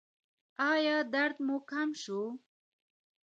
ایا درد مو کم شو؟